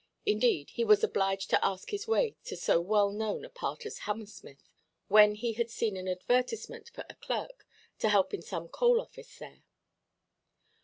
Indeed, he was obliged to ask his way to so well–known a part as Hammersmith, when he had seen an advertisement for a clerk, to help in some coal–office there.